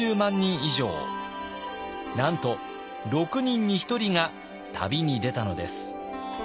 なんと６人に１人が旅に出たのです。